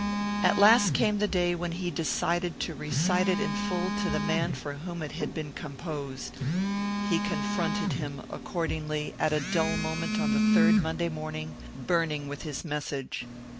At last came the day when he decided to recite it in full to the man for whom it had been composed. He confronted him, accordingly, at a dull moment on the third Monday morning, burning with his message.